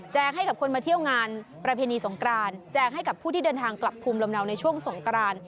ให้กับคนมาเที่ยวงานประเพณีสงกรานแจกให้กับผู้ที่เดินทางกลับภูมิลำเนาในช่วงสงกราน